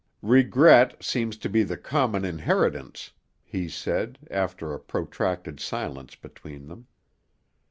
"Regret seems to be the common inheritance," he said, after a protracted silence between them.